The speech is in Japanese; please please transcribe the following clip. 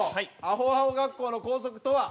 アホアホ学校の校則とは？